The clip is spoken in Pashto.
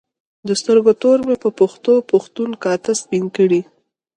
د سترګو تور مې په پښتو پښتون کاته سپین کړي